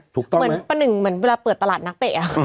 เหมือนประหนึ่งเหมือนเวลาเปิดตลาดนักเตะ